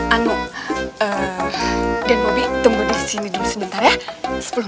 anu denbobi tunggu disini dulu sebentar ya sepuluh menit lah